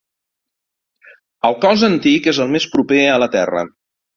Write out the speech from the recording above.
El cos antic és el més proper a la terra.